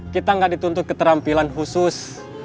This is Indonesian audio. kita nggak dituntut keterampilan khusus